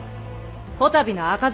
こたびの赤面